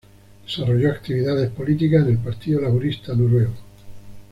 Desarrolló actividades políticas en el Partido Laborista Noruego.